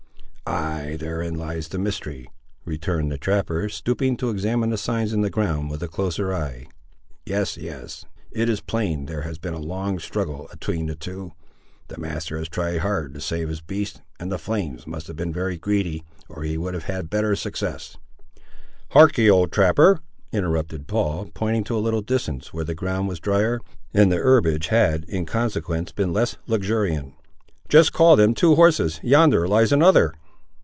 "Ay, therein lies the mystery," returned the trapper, stooping to examine the signs in the ground with a closer eye. "Yes, yes, it is plain there has been a long struggle atween the two. The master has tried hard to save his beast, and the flames must have been very greedy, or he would have had better success." "Harkee, old trapper," interrupted Paul, pointing to a little distance, where the ground was drier, and the herbage had, in consequence, been less luxuriant; "just call them two horses. Yonder lies another."